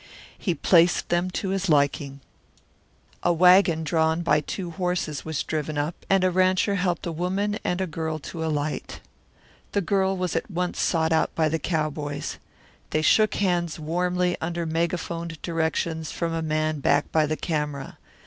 He placed them to his liking. A wagon drawn by two horses was driven up and a rancher helped a woman and girl to alight. The girl was at once sought out by the cowboys. They shook hands warmly under megaphoned directions from a man back by the camera.